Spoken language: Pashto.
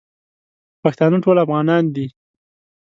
پښتانه ټول افغانان دی